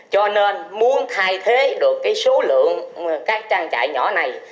cho nên muốn thay thế được số lượng các trang trại nhỏ này